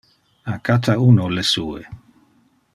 A cata uno le sue.